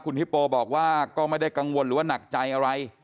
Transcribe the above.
ฮิปโปบอกว่าก็ไม่ได้กังวลหรือว่าหนักใจอะไร